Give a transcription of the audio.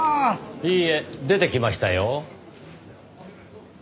いいえ出てきましたよ。